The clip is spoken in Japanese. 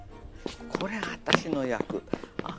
これ私の役あっ